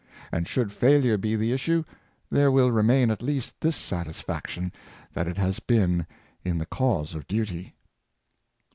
And should failure be the issue, there will remain at least this satisfaction, that it has been in the cause of duty.